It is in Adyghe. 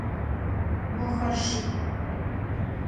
Moxer şşıx.